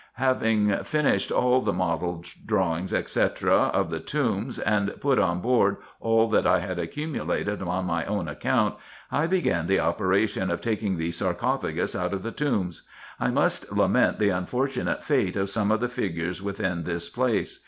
Having finished all the models, drawings, &c. of the tomb, and put on board all that I had accumulated on my own account, I began the operation of taking the sarcophagus out of the tombs. I must lament the unfortunate fate of some of the figures within this place.